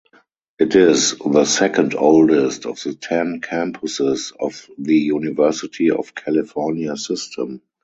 It is the second-oldest of the ten campuses of the University of California system.